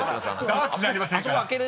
［ダーツじゃありませんから］